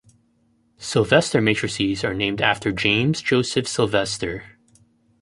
Sylvester matrices are named after James Joseph Sylvester.